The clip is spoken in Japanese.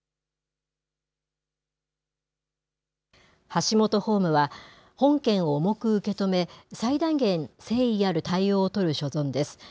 ハシモトホームは、本件を重く受け止め、最大限誠意ある対応を取る所存です。